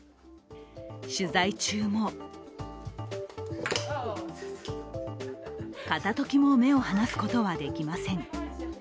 取材中も片時も目を離すことはできません。